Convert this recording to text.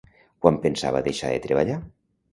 Quan pensava deixar de treballar?